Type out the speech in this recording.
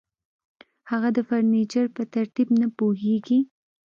هغه د فرنیچر په ترتیب نه پوهیږي